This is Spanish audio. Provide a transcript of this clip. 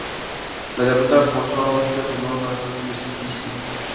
La derrota forzó a Austria a firmar un armisticio.